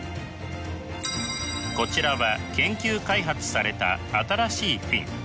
こちらは研究開発された新しいフィン。